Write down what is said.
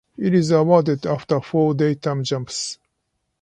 It is awarded after four daytime jumps.